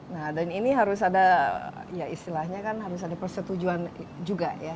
nah dan ini harus ada ya istilahnya kan harus ada persetujuan juga ya